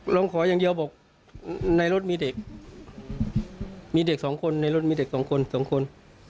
ร้องขออย่างเดียวบอกในรถมีเด็กมีเด็กสองคนในรถมีเด็กสองคนสองคน